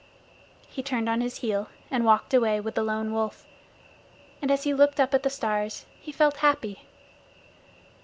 He turned on his heel and walked away with the Lone Wolf, and as he looked up at the stars he felt happy.